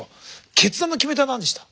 決断の決め手は何でした？